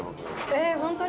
えっホントに？